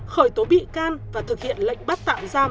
khởi tố bị can và thực hiện lệnh bắt tạm giam